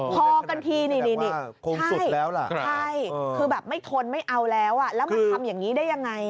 พอกันทีนี่คงสุดแล้วล่ะใช่คือแบบไม่ทนไม่เอาแล้วแล้วมาทำอย่างนี้ได้ยังไง